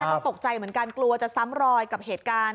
ก็ตกใจเหมือนกันกลัวจะซ้ำรอยกับเหตุการณ์